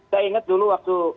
saya inget dulu waktu